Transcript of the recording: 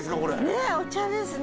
ねっお茶ですね。